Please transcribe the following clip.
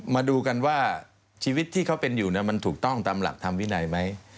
มาดูกันว่าชีวิตที่เขาเป็นอยู่มันถูกต้องตามหลักธรรมวินัยไหม